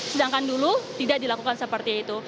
sedangkan dulu tidak dilakukan seperti itu